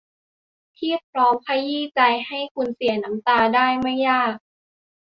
ที่พร้อมขยี้ใจให้คุณเสียน้ำตาได้ไม่ยาก